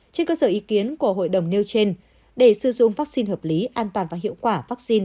trên cơ sở ý kiến của hội đồng nêu trên để sử dụng vaccine hợp lý an toàn và hiệu quả vaccine